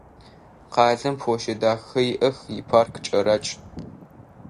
Къалэм площадь дахэхэр иӏэх, ипарк кӏэракӏ.